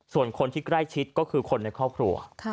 ส่วนคนที่ใกล้ชิดก็คือคนในครอบครัว